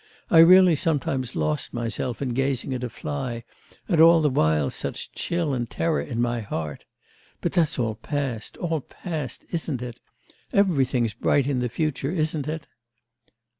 I really sometimes lost myself in gazing at a fly, and all the while such chill and terror in my heart! But that's all past, all past, isn't it? Everything's bright in the future, isn't it?